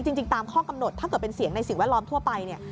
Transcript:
จริงตามข้อกำหนดถ้าเกิดเป็นเสียงในสิ่งแวดล้อมทั่วไปเนี่ย